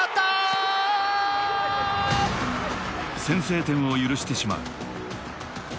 先制点を許してしまう。